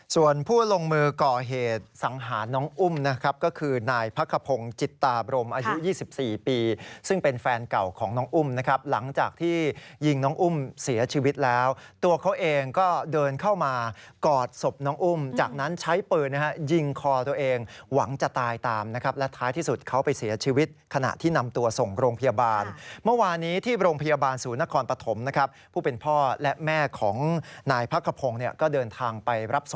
ส่วนผู้ลงมือก่อเหตุสังหารน้องอุ้มนะครับก็คือนายพักขพงศ์จิตตาบรมอายุ๒๔ปีซึ่งเป็นแฟนเก่าของน้องอุ้มนะครับหลังจากที่ยิงน้องอุ้มเสียชีวิตแล้วตัวเขาเองก็เดินเข้ามากอดสบน้องอุ้มจากนั้นใช้ปืนยิงคอตัวเองหวังจะตายตามนะครับและท้ายที่สุดเขาไปเสียชีวิตขณะที่นำตัวส่งโรงพยาบ